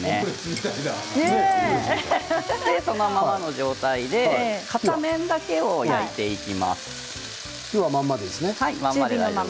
そのままの状態で片面だけを焼いていきます。